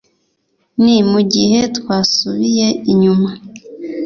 ni mugihe twasubiye inyuma